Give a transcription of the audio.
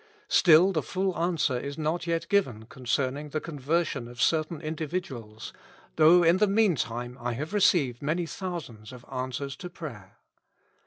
Still the full answer is not yet given concerning the con i8 273 Notes. version of certain individuals, though in the meantime I have re ceived many thousands of answers to prayer.